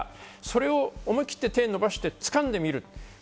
それを思い切って手を伸ばして掴んでみる。